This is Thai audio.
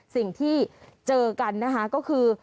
สิ่งที่เจอกันนะคะก็คือ